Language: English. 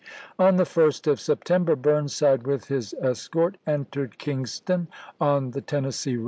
On the 1st of September, Burnside, cha.p.vi. with his escort, entered Kingston, on the Tennessee i863.